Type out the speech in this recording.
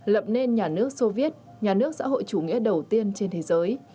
lập nên nhà nước soviet nhà nước xã hội chủ nghĩa đầu tiên trên thế giới